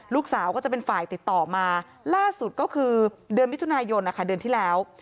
ลูกสาวก็จะเป็นฝ่ายติดต่อมาล่าสุดก็คือเดือนมิถุนายนเดือนที่แล้ว